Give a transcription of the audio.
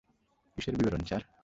কিসের বিবরণ, স্যার?